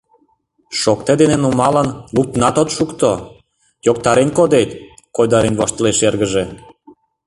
— Шокте дене нумалын, луктынат от шукто — йоктарен кодет, — койдарен воштылеш эргыже.